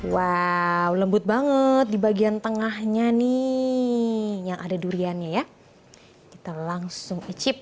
wow lembut banget di bagian tengahnya nih yang ada duriannya ya kita langsung achip